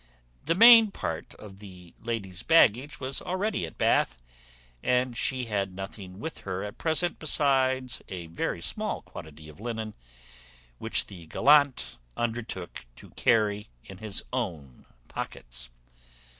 The main part of the lady's baggage was already at Bath, and she had nothing with her at present besides a very small quantity of linen, which the gallant undertook to carry in his own pockets.